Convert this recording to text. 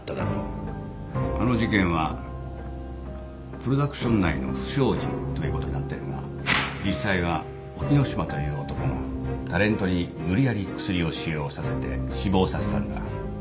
あの事件はプロダクション内の不祥事ということになってるが実際は沖野島という男がタレントに無理やりクスリを使用させて死亡させたんだ